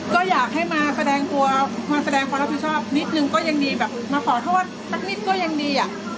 ก็อยากให้มาแสดงความรับชอบนิดนึงก็ยังดีมาขอโทษสักนิดก็ยังดี